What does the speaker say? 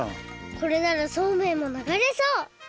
これならそうめんもながれそう！